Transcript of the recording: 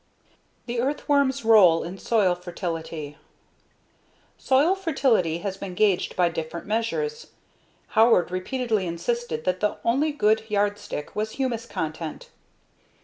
The Earthworm's Role in Soil Fertility Soil fertility has been gauged by different measures. Howard repeatedly insisted that the only good yardstick was humus content.